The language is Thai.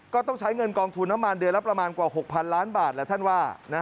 ก็ต้องใช้เงินกองทุนน้ำมันเดือนละประมาณกว่า๖๐๐ล้านบาทแล้วท่านว่า